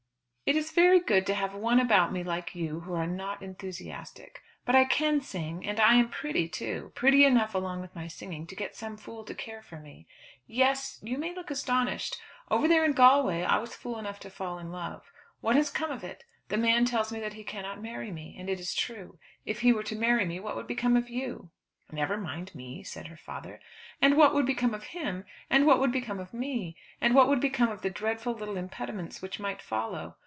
"It is very good to have one about me, like you, who are not enthusiastic. But I can sing, and I am pretty too; pretty enough along with my singing to get some fool to care for me. Yes; you may look astonished. Over there in Galway I was fool enough to fall in love. What has come of it? The man tells me that he cannot marry me. And it is true. If he were to marry me what would become of you?" "Never mind me," said her father. "And what would become of him; and what would become of me? And what would become of the dreadful little impediments which might follow?